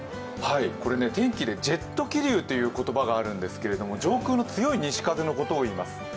これね、天気でジェット気流という言葉があるんですけど、上空の強い西風のことを言います。